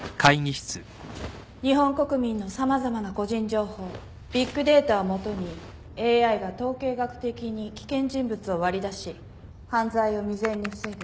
日本国民の様々な個人情報ビッグデータを基にＡＩが統計学的に危険人物を割り出し犯罪を未然に防ぐ